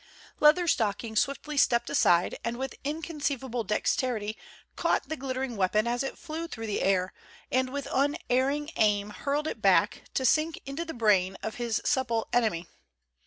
Leatherstocking swiftly stepped aside, and with inconceivable dexterity caught the glittering weapon as it flew through the air, and with unerring aim hurled it back, to sink into the brain of his supple enemy.